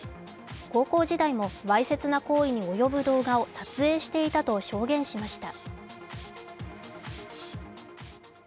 高校時代もわいせつな行為に及ぶ動画を撮影していたと証言しました。